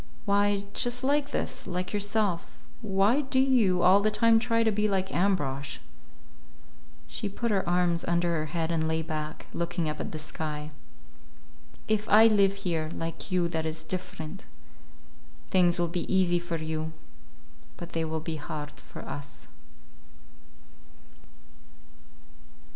"Why, just like this; like yourself. Why do you all the time try to be like Ambrosch?" She put her arms under her head and lay back, looking up at the sky. "If I live here, like you, that is different. Things will be easy for you. But they will be hard for us."